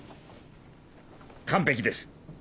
完璧です。